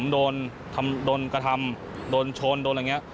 พวกผมโดนกระทำโดนโชนโดนอะไรงี้